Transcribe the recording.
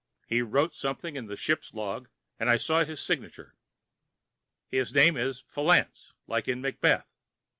He wrote something in the ship's log, and I saw his signature. His name is Fleance, like in "Macbeth."